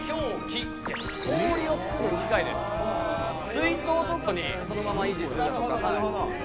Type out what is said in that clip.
「水筒とかにそのまま維持するだとか」